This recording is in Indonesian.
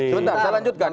tidak saya lanjutkan